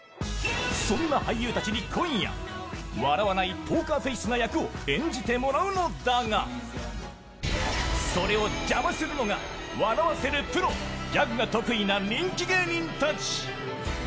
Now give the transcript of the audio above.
そんな俳優たちに今夜、笑わないポーカーフェースの役を演じてもらうのだがそれを邪魔するのが笑わせるプロ、ギャグが得意な人気芸人たち。